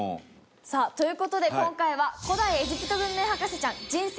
さあという事で今回は古代エジプト文明博士ちゃん人生初のエジプトへ。